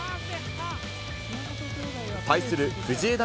対する藤枝